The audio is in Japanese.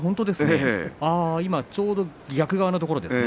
ちょうど逆側のところです